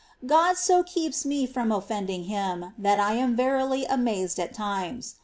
18. God so keeps me from offending Him, that I am verily amazed at times.